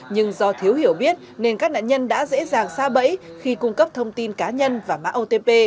nhưng do thiếu hiểu biết nên các nạn nhân đã dễ dàng xa bẫy khi cung cấp thông tin cá nhân và mã otp